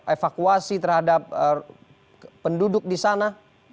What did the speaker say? evakuasi terhadap penduduk di sana